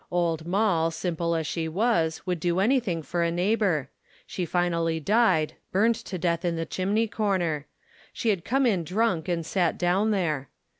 Old Moll, simple as she was, would do anything for a neighbor. She finally died burned to death in the chimney corner. She had come in drunk and sat down there.